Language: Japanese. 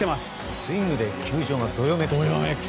スイングで球場がどよめくというね。